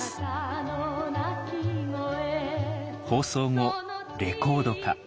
放送後レコード化。